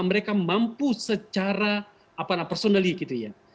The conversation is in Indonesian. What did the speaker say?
mereka mampu secara apa namanya secara pribadi gitu ya